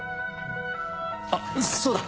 あっそうだ。